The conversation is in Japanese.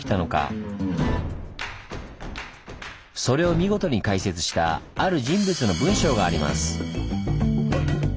それを見事に解説したある人物の文章があります。